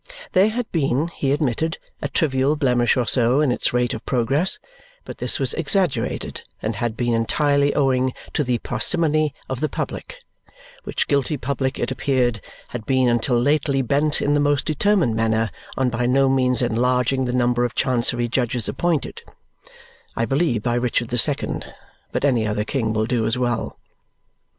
There had been, he admitted, a trivial blemish or so in its rate of progress, but this was exaggerated and had been entirely owing to the "parsimony of the public," which guilty public, it appeared, had been until lately bent in the most determined manner on by no means enlarging the number of Chancery judges appointed I believe by Richard the Second, but any other king will do as well.